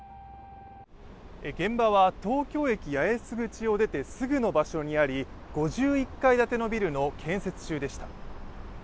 現場は東京駅八重洲口を出てすぐの場所にあり５１階建てビルの建設中でした。